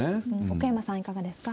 奥山さん、いかがですか？